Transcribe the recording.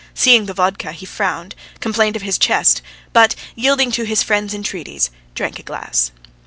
Seeing the vodka, he frowned, complained of his chest, but yielding to his friends' entreaties, drank a glass.